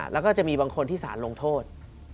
แล้วก็จะมีบางคนที่สารลงโทษ